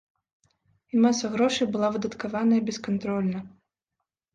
І маса грошай была выдаткаваная бескантрольна.